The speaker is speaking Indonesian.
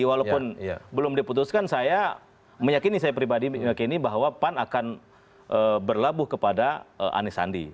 walaupun belum diputuskan saya meyakini saya pribadi meyakini bahwa pan akan berlabuh kepada anies sandi